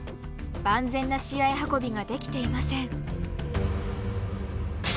万全な試合運びができていません。